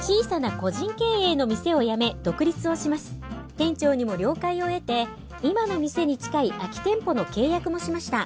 店長にも了解を得て今の店に近い空き店舗の契約もしました。